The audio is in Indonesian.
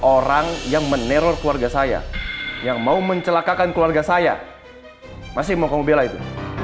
orang yang meneror keluarga saya yang mau mencelakakan keluarga saya masih mau membela itu